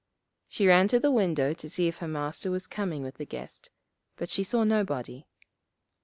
She ran to the window to see if her Master was coming with the guest, but she saw nobody.